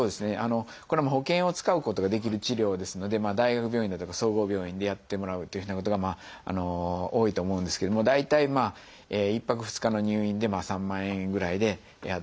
これも保険を使うことができる治療ですので大学病院だとか総合病院でやってもらうというふうなことが多いと思うんですけれども大体１泊２日の入院で３万円ぐらいでやったりしてますね。